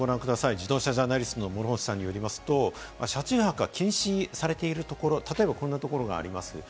自動車ジャーナリストの諸星さんによりますと、車中泊が禁止されてるところは例えば、こんなところがあります。